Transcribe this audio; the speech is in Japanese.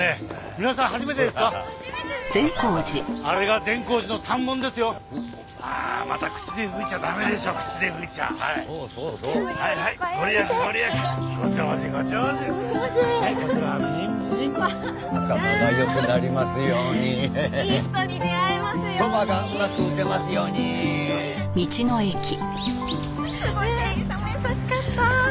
店員さんも優しかった。